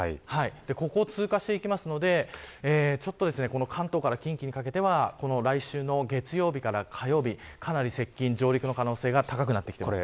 ここを通過するので関東から近畿にかけては来週の月曜日から火曜日接近、上陸の可能性が高いです。